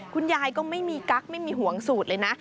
คุณยายก็ไม่มีกั๊กไม่มีห่วงสูตรเลยนะ